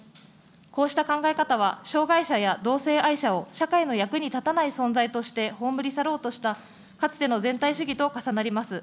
こうした考え方は、障害者や同性愛者を社会の役に立たない存在として、葬り去ろうとしたかつての全体主義と重なります。